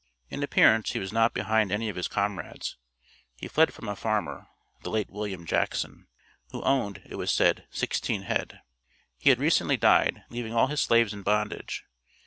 In appearance he was not behind any of his comrades. He fled from a farmer, (the late William Jackson), who owned, it was said, "sixteen head." He had recently died, leaving all his slaves in bondage.